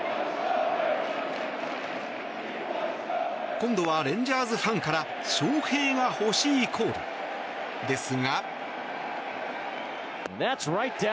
今度はレンジャーズファンから翔平が欲しいコール。ですが。